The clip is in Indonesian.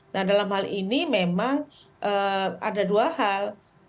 nah dalam hal ini memang ada dua hal